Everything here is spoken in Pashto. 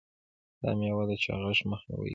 دا میوه د چاغښت مخنیوی کوي.